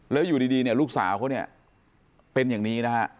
แล้วอยู่ดีเนี่ยลูกสาวเขาเนี่ยเป็นอย่างนี้นะฮะ